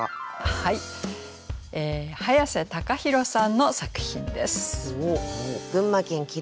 はい早瀬孝弘さんの作品です。